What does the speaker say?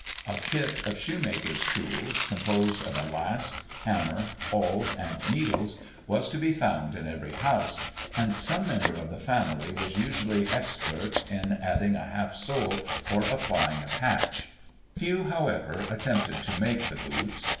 A kit of shoemaker's tools, composed of a last, hammer, awls, and needles, was to be found in every house; and some member of the family was usually expert in adding a half sole or applying a patch; few, however, attempted to make the boots.